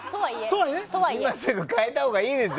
今すぐ変えたほうがいいですよ